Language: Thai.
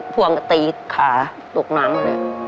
พ่วงก็ตีขาตกน้ำเลย